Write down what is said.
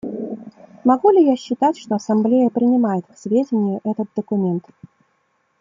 Могу ли я считать, что Ассамблея принимает к сведению этот документ?